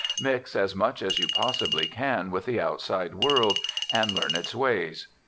Mix as much as you possibly can with the outside world, and learn its ways.